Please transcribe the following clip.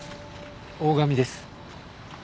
大上です。